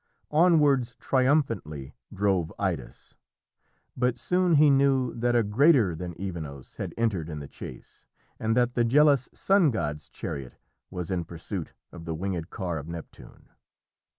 Onwards, triumphantly, drove Idas, but soon he knew that a greater than Evenos had entered in the chase, and that the jealous sun god's chariot was in pursuit of the winged car of Neptune.